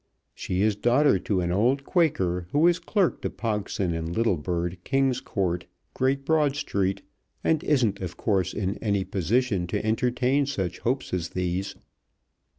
She is daughter to an old Quaker, who is clerk to Pogson and Littlebird, King's Court, Great Broad Street, and isn't of course in any position to entertain such hopes as these.